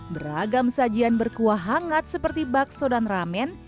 beragam sajian berkuah hangat seperti bakso dan ramen